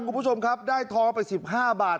คุณผู้ชมครับได้ท้องแปลกสิบห้าบาท